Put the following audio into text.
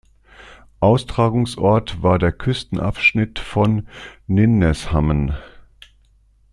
Austragungsort war der Küstenabschnitt vor Nynäshamn.